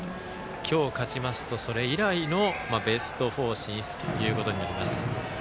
今日、勝ちますと、それ以来のベスト４進出となります。